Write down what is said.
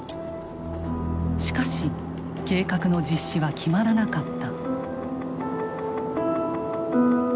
しかし計画の実施は決まらなかった。